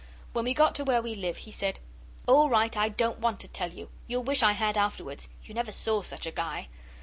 When we got to where we live he said, 'All right, I don't want to tell you. You'll wish I had afterwards. You never saw such a guy.